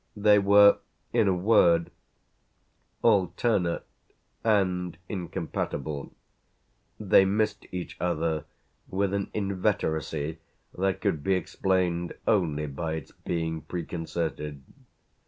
They were in a word alternate and incompatible; they missed each other with an inveteracy that could be explained only by its being preconcerted.